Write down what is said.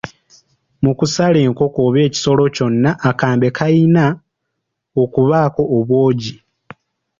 Mu kusala enkoko oba ekisolo kyonna akambe kayina okubaako obwogi.